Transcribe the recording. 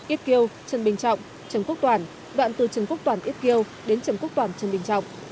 yết kiêu trần bình trọng trần quốc toàn đoạn từ trần quốc toàn yết kiêu đến trần quốc toàn trần bình trọng